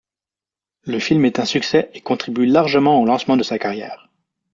Le film est un succès et contribue largement au lancement de sa carrière.